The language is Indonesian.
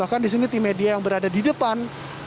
bahkan di sini tim media yang berada di depan